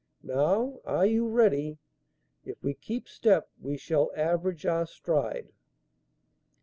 Now, are you ready? If we keep step we shall average our stride."